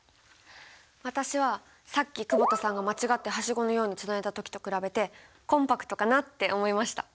私はさっき久保田さんが間違ってはしごのようにつないだ時と比べてコンパクトかなって思いました。